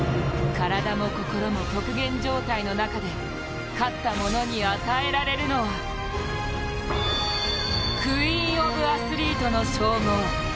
体も心も極限状態の中で、勝った者に与えられるのはクイーンオブアスリートの称号。